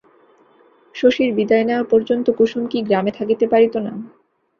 শশীর বিদায় নেওয়া পর্যন্ত কুসুম কি গ্রামে থাকিতে পারিত না?